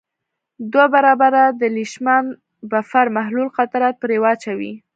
دوه برابره د لیشمان بفر محلول قطرات پرې واچوئ.